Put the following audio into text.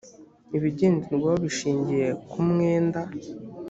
ibigenderwaho bishingiye ku mwenda